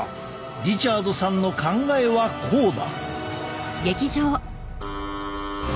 リチャードさんの考えはこうだ。